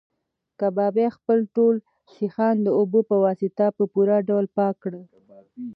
کبابي خپل ټول سیخان د اوبو په واسطه په پوره ډول پاک کړل.